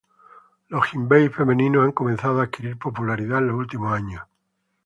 Los "jinbei" femeninos han comenzado a adquirir popularidad en los últimos años.